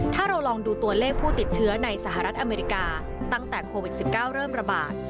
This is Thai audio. ถ้าเราลองดูตัวเลขผู้ติดเชื้อในสหรัฐอเมริกาตั้งแต่โควิด๑๙เริ่มระบาด